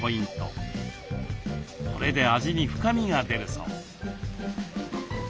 これで味に深みが出るそう。